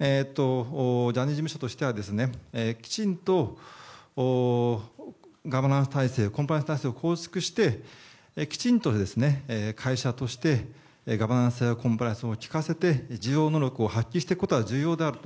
ジャニーズ事務所としてはきちんとガバナンス体制コンプライアンス体制を構築してきちんと会社としてガバナンスやコンプライアンスをきかせて自浄努力を発揮していくことは大事だと。